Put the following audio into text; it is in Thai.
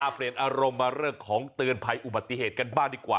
เปลี่ยนอารมณ์มาเรื่องของเตือนภัยอุบัติเหตุกันบ้างดีกว่า